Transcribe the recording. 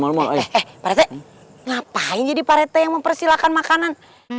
pak rete ngapain jadi pak rete yang mempersilahkan makanan